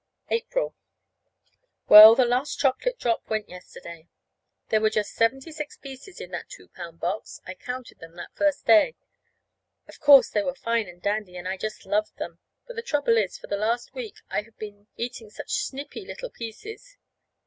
April. Well, the last chocolate drop went yesterday. There were just seventy six pieces in that two pound box. I counted them that first day. Of course, they were fine and dandy, and I just loved them; but the trouble is, for the last week I've been eating such snippy little pieces.